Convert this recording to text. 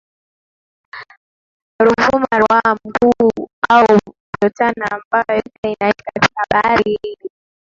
Ruvuma Ruaha Mkuu au mto Tana ambayo yote inaishia katika Bahari Hindi